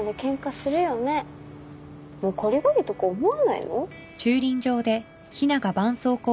もうこりごりとか思わないの？